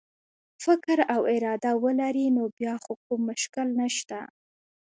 فکر او اراده ولري نو بیا خو کوم مشکل نشته.